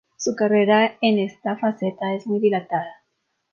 Su carrera en esta faceta es muy dilatada.